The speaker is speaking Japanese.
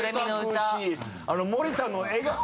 森田の笑顔。